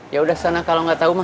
yaudah sana kalau gak tau mah